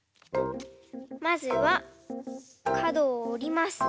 まずはかどをおります。